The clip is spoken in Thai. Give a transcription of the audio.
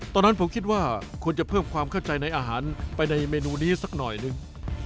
ตอนนั้นผมคิดว่าควรจะเพิ่มความเข้าใจในอาหารไปในเมนูนี้สักหน่อยหนึ่ง